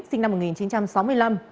sinh năm một nghìn chín trăm sáu mươi năm